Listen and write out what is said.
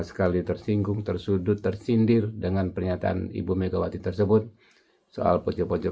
sekali tersinggung tersudut tersindir dengan pernyataan ibu megawati tersebut soal pojok pojok